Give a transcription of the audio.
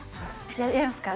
やりますか？